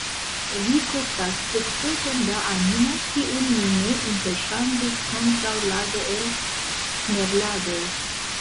Vi kostas peceton da animo, kiun mi ne interŝanĝis kontraŭ lago el smeraldoj!